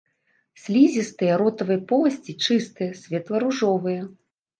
Слізістыя ротавай поласці чыстыя, светла-ружовыя.